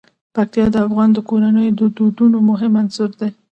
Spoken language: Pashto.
پکتیا د افغان کورنیو د دودونو مهم عنصر دی.